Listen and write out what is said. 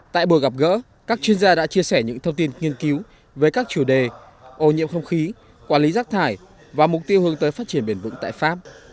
tại buổi gặp gỡ các chuyên gia đã chia sẻ những thông tin nghiên cứu về các chủ đề ô nhiễm không khí quản lý rác thải và mục tiêu hướng tới phát triển bền vững tại pháp